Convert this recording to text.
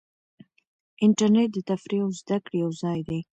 انټرنیټ د تفریح او زده کړې یو ځای دی.